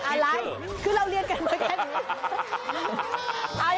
อะไรคือเราเรียนกันมาแค่นี้